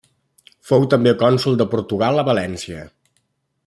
Fou també cònsol de Portugal a València.